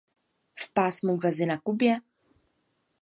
V pásmu Gazy, na Kubě?